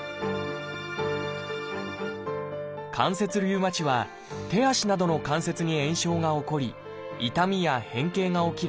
関節リウマチは手足などの関節に炎症が起こり痛みや変形が起きる